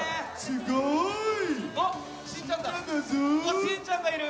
あ、しんちゃんがいる！